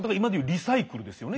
リサイクル。